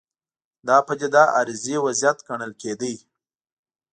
دا پدیده عارضي وضعیت ګڼل کېده.